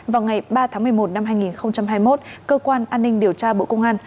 vào ngày ba tháng một mươi một năm hai nghìn hai mươi một cơ quan an ninh điều tra bộ công an